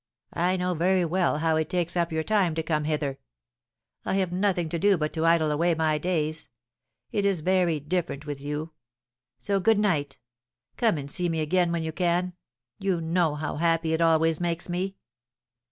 I know very well how it takes up your time to come hither. I have nothing to do but to idle away my days; it is very different with you; so good night. Come and see me again when you can; you know how happy it always makes me."